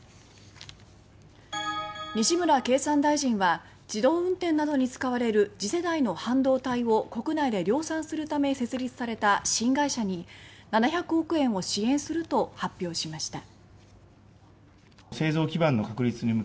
西村経産大臣は自動運転などに使われる次世代の半導体を国内で量産するため設立された新会社に７００億円を支援すると発表しました。